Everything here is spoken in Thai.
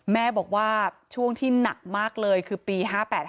แม่บอกว่าช่วงที่หนักมากเลยคือปี๕๘๕